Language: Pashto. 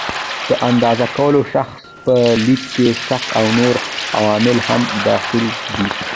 د اندازه کوونکي شخص په لید کې شک او نور عوامل هم دخیل دي.